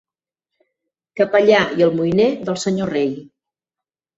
Capellà i almoiner del senyor rei.